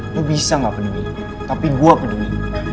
lo bisa gak peduli tapi gue peduli